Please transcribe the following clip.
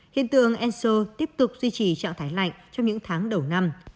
hiện tượng enso tiếp tục duy trì trạng thái lạnh trong những tháng đầu năm